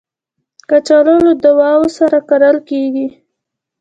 کچالو له دعاوو سره کرل کېږي